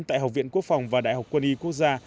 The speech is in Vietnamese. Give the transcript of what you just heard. tại học viện quốc phòng và đại học quân y quốc gia